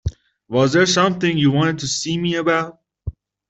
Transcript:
Was there something you wanted to see me about?